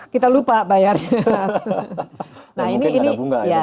kita lupa bayarnya